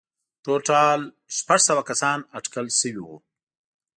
ټولټال شپږ سوه کسان اټکل شوي وو